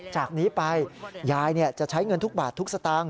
จากนี้ไปยายจะใช้เงินทุกบาททุกสตางค์